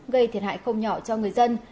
gây thiệt hại không nhỏ cho người dân